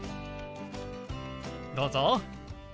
どうぞ。